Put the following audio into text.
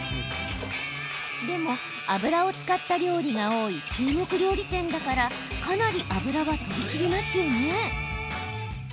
でも、油を使った料理が多い中国料理店だからかなり油は飛び散りますよね。